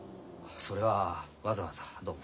それはわざわざどうも。